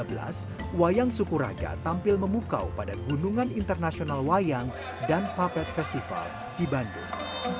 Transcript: pada dua ribu tiga belas wayang sukuraga tampil memukau pada gunungan internasional wayang dan puppet festival di bandung